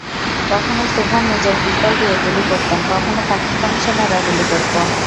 কখনো সুবহান নিজের পিস্তল দিয়ে গুলি করতেন, কখনো পাকিস্তানি সেনারা গুলি করত।